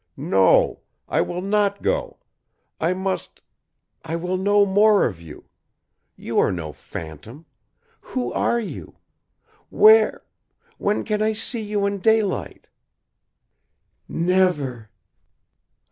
"No! I will not go. I must I will know more of you. You are no phantom. Who are you? Where when can I see you in daylight?" "Never."